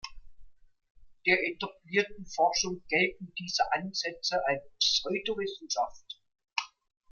Der etablierten Forschung gelten diese Ansätze als Pseudowissenschaft.